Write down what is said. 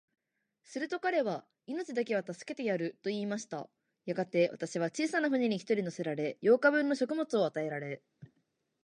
すると彼は、命だけは助けてやる、と言いました。やがて、私は小さな舟に一人乗せられ、八日分の食物を与えられ、